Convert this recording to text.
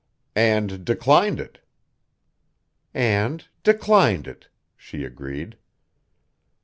"And declined it." "And declined it," she agreed.